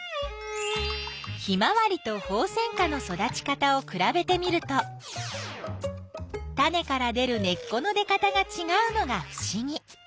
ヒマワリとホウセンカの育ち方をくらべてみるとタネから出る根っこの出かたがちがうのがふしぎ。